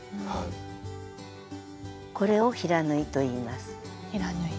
これを「平縫い」といいます。